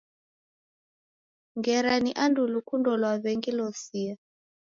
Ngera ni angu lukundo lwa w'engi losia.